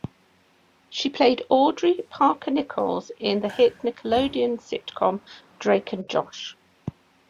She played Audrey Parker-Nichols in the hit Nickelodeon sitcom "Drake and Josh".